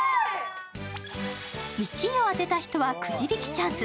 １位を当てた人はくじ引きチャンス。